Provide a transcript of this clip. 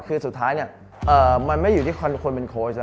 คือสุดท้ายแล้วก็มันไม่อยู่ที่ความเขาเป็นโค้ช